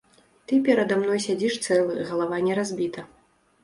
Ты перада мной сядзіш цэлы, галава не разбіта.